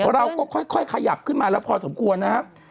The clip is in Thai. เราก็ค่อยขยับขึ้นมาแล้วพอสมควรนะครับ